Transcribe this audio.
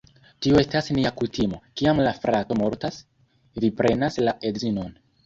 Tio estas nia kutimo, kiam la frato mortas, vi prenas la edzinon